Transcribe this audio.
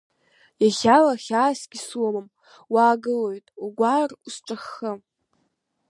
Иахьала хьаасгьы сумам, уаагылоит, угәаар, усҿаххы.